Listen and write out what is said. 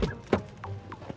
terima kasih mas